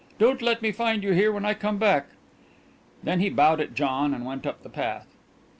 Don't let me find you here when I come back!" Then he bowed at John and went up the path.